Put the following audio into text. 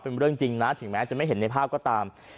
เป็นเรื่องจริงนะถึงแม้จะไม่เห็นในภาพก็ตาม